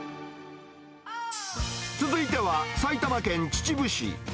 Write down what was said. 続いては、埼玉県秩父市。